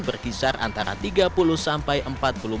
berkisar antara tiga puluh sampai empat puluh km per jam